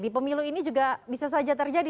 di pemilu ini juga bisa saja terjadi